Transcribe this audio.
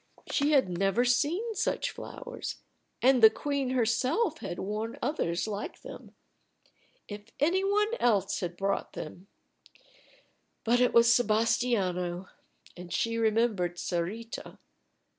She had never seen such flowers. And the queen herself had worn others like them. If any one else had brought them but it was Sebastiano. And she remembered Sarita.